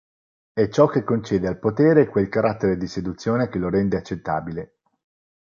È ciò che concede al potere quel carattere di seduzione che lo rende accettabile.